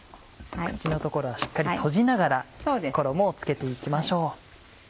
口の所はしっかり閉じながら衣を付けて行きましょう。